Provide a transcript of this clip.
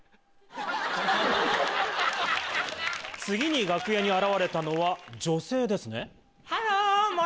次に楽屋に現れたのは女性ですね。